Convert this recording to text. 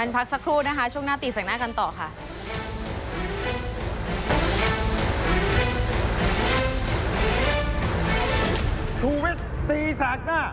พักสักครู่นะคะช่วงหน้าตีแสงหน้ากันต่อค่ะ